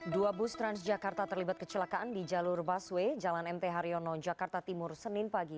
dua bus transjakarta terlibat kecelakaan di jalur busway jalan mt haryono jakarta timur senin pagi